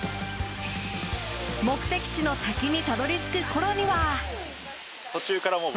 目的地の滝にたどり着く頃には。